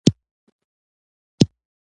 د کابل په بګرامي کې د خښتو خاوره شته.